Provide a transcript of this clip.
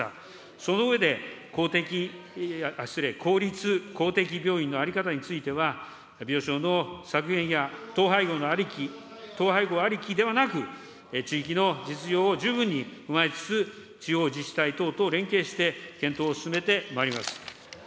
その上で公的、あっ、失礼、公立・公的病院の在り方については、病床の削減や統廃合ありきではなく、地域の実情を十分に踏まえつつ、地方自治体等と連携して、検討を進めてまいります。